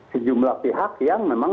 sejumlah pihak yang memang